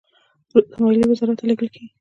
وروسته مالیې وزارت ته لیږل کیږي.